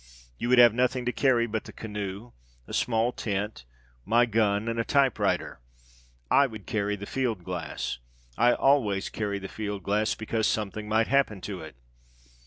You would have nothing to carry but the canoe, a small tent, my gun and a type writer. I would carry the field glass. I always carry the field glass because something might happen to it.